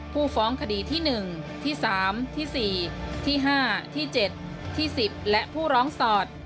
ผู้ฟ้องคดีที่หนึ่งที่สามที่สี่ที่ห้าที่เจ็ดที่สิบและผู้ร้องสอด